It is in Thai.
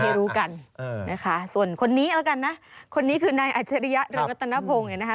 รู้กันนะคะส่วนคนนี้แล้วกันนะคนนี้คือนายอัจฉริยะเรืองรัตนพงศ์เนี่ยนะคะ